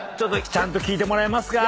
ちゃんと聞いてもらえますか？